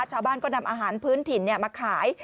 ชาวบ้านก็นำอาหารพื้นถิ่นมาขาย